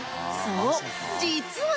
そう実は